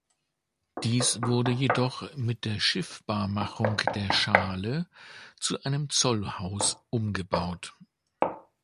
Diese wurde jedoch mit der Schiffbarmachung der Schaale zu einem Zollhaus umgebaut.